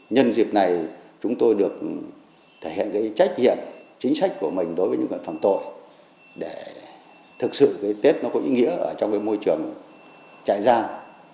nhân dịp này chúng tôi được thể hiện cái trách nhiệm chính sách của mình đối với những người phạm tội để thực sự cái tết nó có ý nghĩa ở trong cái môi trường trại giam